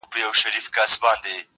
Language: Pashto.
• هر څوک يې د خپلې پوهې له مخې تفسيروي,